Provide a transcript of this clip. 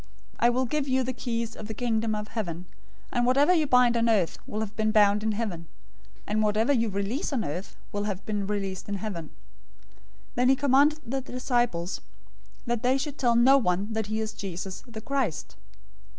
016:019 I will give to you the keys of the Kingdom of Heaven, and whatever you bind on earth will have been bound in heaven; and whatever you release on earth will have been released in heaven." 016:020 Then he charged the disciples that they should tell no one that he is Jesus the Christ.